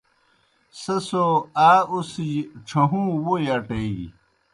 سہ سو آ اُڅِھجیْ ڇھہُوں ووئی اٹیگیْ۔